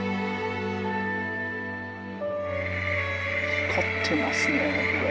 光ってますねこれ。